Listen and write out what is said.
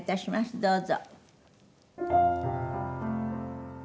どうぞ。